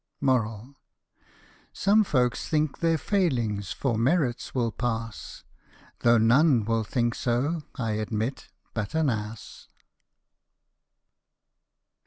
Some folks think their failings for merits will pass, Though none will think so, I admit, but an ass.